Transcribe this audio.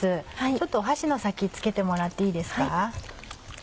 ちょっと箸の先つけてもらっていいですか？